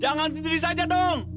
jangan sendiri saja dong